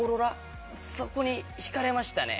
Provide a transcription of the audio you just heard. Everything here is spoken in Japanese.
そこに引かれましたね。